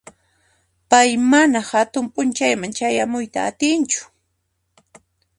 Pay mana hatun p'unchayman chayamuyta atinchu.